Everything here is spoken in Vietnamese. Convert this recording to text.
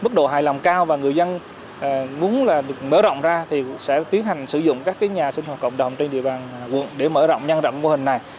mức độ hài lòng cao và người dân muốn mở rộng ra thì sẽ tiến hành sử dụng các nhà sinh hoạt cộng đồng trên địa bàn quận để mở rộng nhân rộng mô hình này